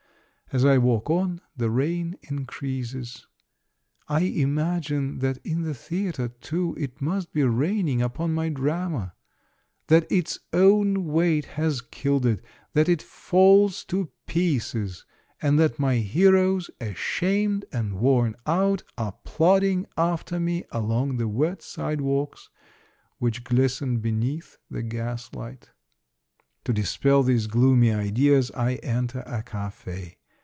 As I walk on, the rain increases. I im agine that in the theatre too it must be raining upon my drama, that its own weight has killed it, that it falls to pieces, and that my heroes, ashamed and worn out, are plodding after me along the wet sidewalks which glisten beneath the gaslight. To dispel these gloomy ideas, I enter a cafe.